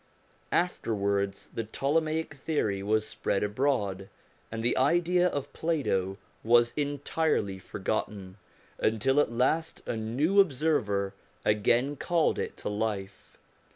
Afterwards the Ptolemaic theory was spread abroad, and the idea of Plato was entirely forgotten, until at last a new observer again called it to life.